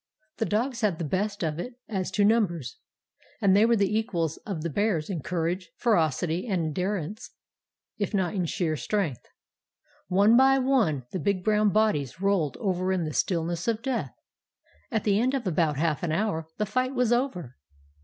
The dogs had the best of it as to numbers, and they were the equals of the bears in courage, ferocity, and endurance, if not in sheer strength. "One by one the big brown bodies rolled over in the stillness of death. At the end of about half an hour the fight was over.